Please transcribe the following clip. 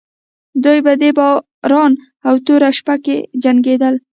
دوی په دې باران او توره شپه کې جنګېدل.